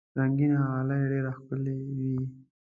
رنګینه غالۍ ډېر ښکلي وي.